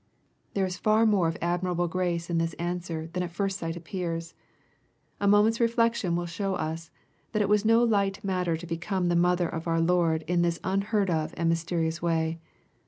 There is far more of admirable grace in this answer than at first sight appears. A moment's refiection will show us, that it was no light matter to become the mother of our Lord in this unheard of and mysterious way.